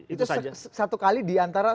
itu satu kali diantara